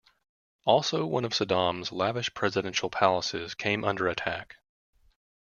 Also, one of Saddam's lavish presidential palaces came under attack.